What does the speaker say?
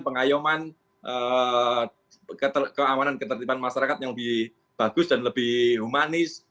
pengayuman keamanan ketertiban masyarakat yang lebih bagus dan lebih humanis